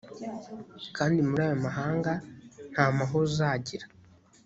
kandi muri ayo mahanga, nta mahoro uzagira,